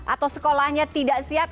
atau sekolahnya tidak siap